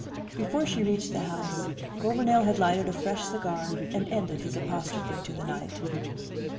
Before she reached the house, Gouvernail had lighted a fresh cigar and ended his apostrophe to the night.